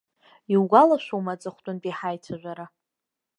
Иугәалашәома аҵыхәтәантәи ҳаицәажәара?